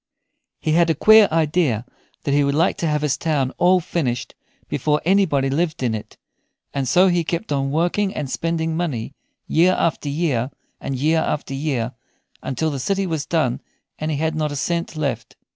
He had a queer idea that he would like to have his town all finished before anybody lived in it, and so he kept on working and spending money year after year and year after year until the city was done and he had not a cent left.